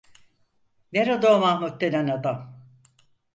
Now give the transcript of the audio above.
Nerede o Mahmut denen adam?